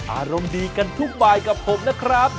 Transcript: อารมณ์ดีกันทุกบายกับผมนะครับ